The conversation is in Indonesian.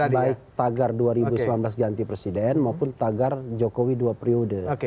baik tagar dua ribu sembilan belas ganti presiden maupun tagar jokowi dua periode